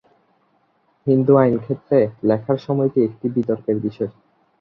হিন্দু আইন ক্ষেত্রে লেখার সময়টি একটি বিতর্কের বিষয়।